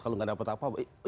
kalau nggak dapat apa apa